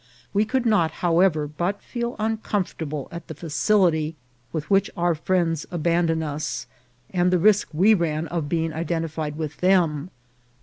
We could not, however, but feel uncomfortable at the facility with which our friends abandoned us, and the risk we ran of being identified with them.